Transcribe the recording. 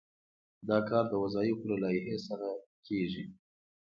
دا کار د وظایفو له لایحې سره کیږي.